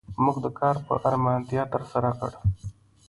موږ دا کار په آرامتیا تر سره کړ.